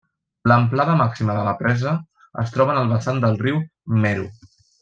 L'amplada màxima de la presa es troba en el vessant del riu Mero.